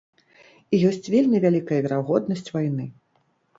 І ёсць вельмі вялікая верагоднасць вайны.